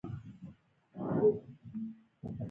ښه روانه پښتو یې ویله